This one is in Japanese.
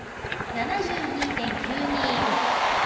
７２．９２！